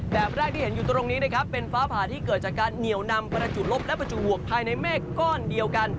แบบแรกที่เห็นอยู่ตรงนี้นะครับเป็นฟ้าผ่าที่เกิดจากการเหนียวนำประจุลบและประจุวบภายในเมฆก้อนเดียวกัน